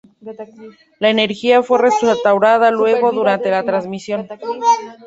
La energía fue restaurada luego durante la transmisión.